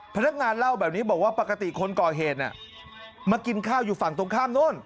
พนักงานเล่าแบบนี้บอกว่าปกติคนก่อเหตุมากินข้าวอยู่ฝั่งตรงข้ามโน่น